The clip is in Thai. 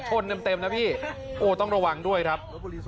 ชนเต็มนะพี่โอ้ต้องระวังด้วยครับ